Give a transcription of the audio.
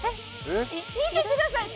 見てください。